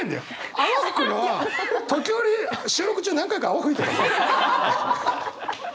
泡吹くのは時折収録中何回か泡吹いてたよ。